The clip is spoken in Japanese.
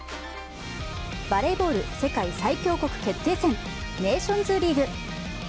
バレーボール世界最強国決定戦、ネーションズリーグ。